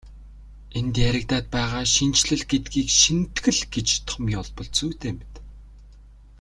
Энд яригдаад байгаа шинэчлэл гэдгийг шинэтгэл гэж томьёолбол зүйтэй мэт.